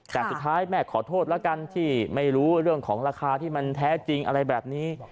แต่สุดท้ายแม่ขอโทษแล้วกันที่ไม่รู้เรื่องของราคาที่มันแท้จริงอะไรแบบนี้